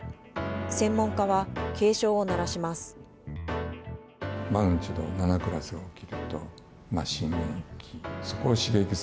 専門家は、警鐘を鳴らします。